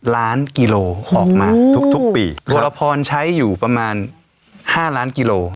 ๓๐๐๐ล้านกิโลกรัมออกมาทุกปีโดรพรใช้อยู่ประมาณ๕ล้านกิโลกรัม